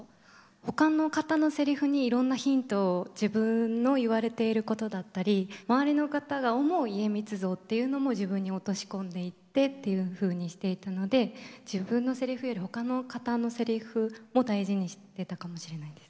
ほかの方のセリフにいろんなヒントを自分の言われていることだったり周りの方が思う家光像っていうのも自分に落とし込んでいってっていうふうにしていたので自分のセリフよりほかの方のセリフも大事にしてたかもしれないです。